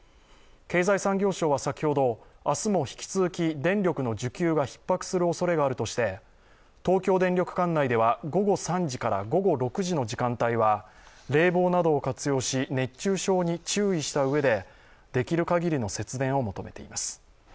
経済産業省は先ほど、明日も引き続き電力の需給がひっ迫するおそれがあるとして東京電力管内では午後３時から午後６時の時間帯は冷房などを活用し、熱中症に注意したうえでできるかぎりの節電を求めています。